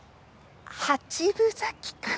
八分咲きかな。